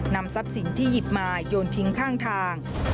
ทรัพย์สินที่หยิบมาโยนทิ้งข้างทาง